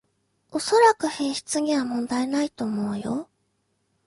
おそらく品質には問題ないと思うよ